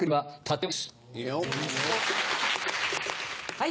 はい。